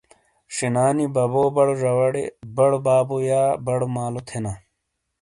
شینا نی ببو بڑو زواڑے بڑو بابو/ بڑو مالو تھینا۔